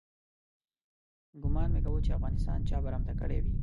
ګومان مې کاوه چې افغانستان چا برمته کړی وي.